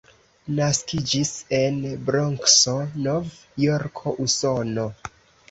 Naskiĝis en Bronkso, Nov-Jorko, Usono.